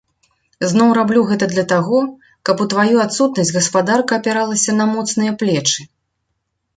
Зноў раблю гэта для таго, каб у тваю адсутнасць гаспадарка апіралася на моцныя плечы.